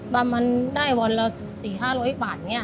ประมาณได้วันละสี่ห้าร้อยบาทเนี่ย